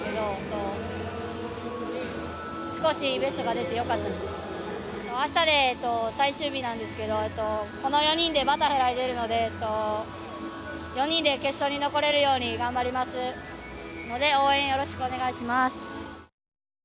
あしたで最終日なんですけどこの４人でバタフライ出るので４人で決勝に残れるように頑張りますので応援よろしくお願いします。